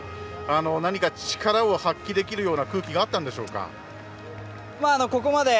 何か力を発揮できるような空気はあったんでしょうか。